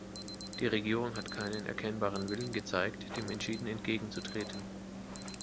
Die Regierung hat keinen erkennbaren Willen gezeigt, dem entschieden entgegenzutreten.